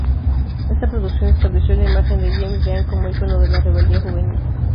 Esta producción estableció la imagen de James Dean como icono de la rebeldía juvenil.